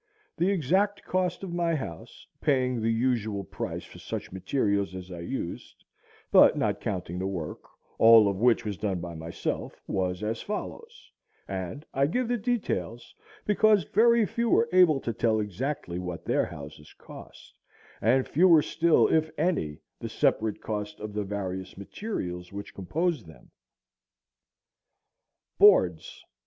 The exact cost of my house, paying the usual price for such materials as I used, but not counting the work, all of which was done by myself, was as follows; and I give the details because very few are able to tell exactly what their houses cost, and fewer still, if any, the separate cost of the various materials which compose them:— Boards..........................